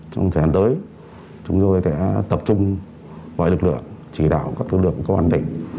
trong thời hạn tới chúng tôi sẽ tập trung gọi lực lượng chỉ đạo các lực lượng có hoàn tình